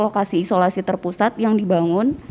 lokasi isolasi terpusat yang dibangun